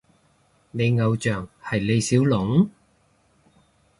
你偶像係李小龍？